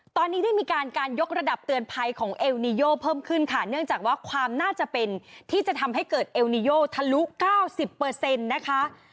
ตอนนี้ได้มีการการยกระดับเตือนภัยของเอลนิโยเพิ่มขึ้นค่ะเนื่องจากว่าความน่าจะเป็นที่จะทำให้เกิดเอลนิโยทะลุ๙๐นะคะ